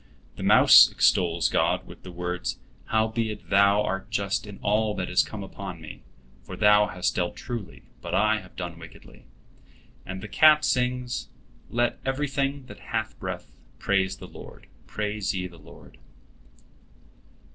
The mouse extols God with the words: "Howbeit Thou art just in all that is come upon me; for Thou hast dealt truly, but I have done wickedly." And the cat sings: "Let everything that hath breath praise the Lord. Praise ye the Lord."